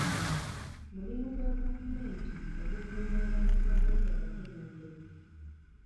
Mulimu gwa gavumenti okukuuma abantu baayo nga batebenkevu.